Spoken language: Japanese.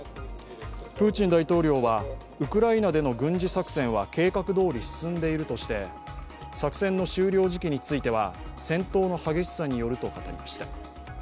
プーチン大統領は、ウクライナでの軍事作戦は計画どおり進んでいるとして作戦の終了時期については戦闘の激しさによると語りました。